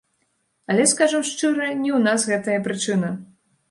Але, скажам шчыра, не ў нас гэтая прычына.